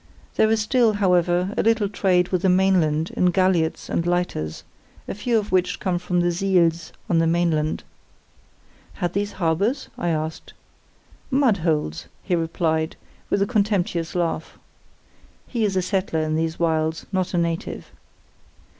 There is still, however, a little trade with the mainland in galliots and lighters, a few of which come from the 'siels' on the mainland. 'Had these harbours?' I asked. 'Mud holes!' he replied, with a contemptuous laugh. (He is a settler in these wilds, not a native.)